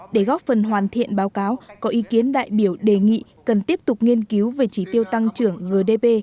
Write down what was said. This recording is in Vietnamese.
để góp phần hoàn thiện báo cáo có ý kiến đại biểu đề nghị cần tiếp tục nghiên cứu về chỉ tiêu tăng trưởng gdp